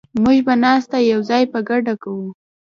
موږ به ناشته یوځای په ګډه کوو.